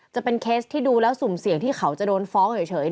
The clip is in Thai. จะเป็นเคสที่ดูแล้วสุ่มเสี่ยงที่เขาจะโดนฟ้องเฉย